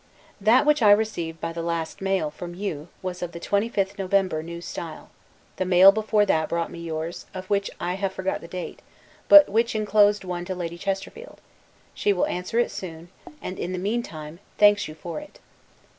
That which I received by the last mail, from you, was of the 25th November, N. S.; the mail before that brought me yours, of which I have forgot the date, but which inclosed one to Lady Chesterfield: she will answer it soon, and, in the mean time, thanks you for it.